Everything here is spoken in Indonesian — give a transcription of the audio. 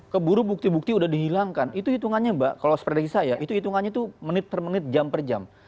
keburu bukti bukti sudah dihilangkan itu hitungannya mbak kalau seperti saya itu hitungannya itu menit per menit jam per jam